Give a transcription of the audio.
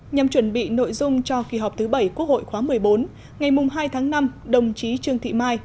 nhằm chuẩn bị nội dung cho kỳ họp thứ bảy quốc hội khóa một mươi bốn ngày hai tháng năm đồng chí trương thị mai